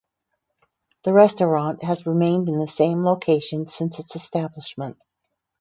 The restaurant has remained in the same location since its establishment.